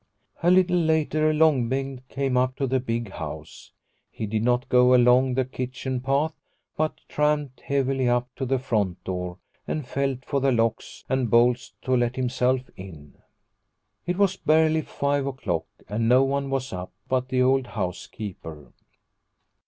A little later Long Bengt came up to the big house. He did not go along the kitchen path, but tramped heavily up to the front door and felt for the locks and bolts to let himself in. It was barely five o'clock, and no one was up but the old housekeeper.